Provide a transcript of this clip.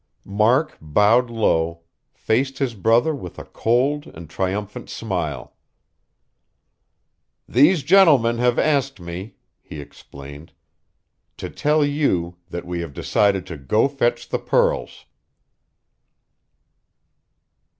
Mark bowed low, faced his brother with a cold and triumphant smile. "These gentlemen have asked me," he explained, "to tell you that we have decided to go fetch the pearls."